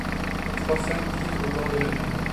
Trois femmes vivent au bord de la mer.